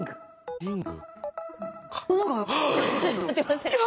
リング。